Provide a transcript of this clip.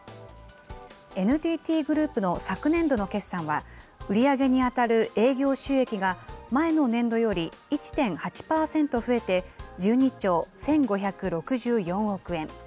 ＮＴＴグループの昨年度の業績は、売り上げに当たる営業収益が前の年度より１．８％増えて、１２兆１５６４億円。